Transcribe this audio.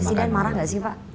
presiden marah gak sih pak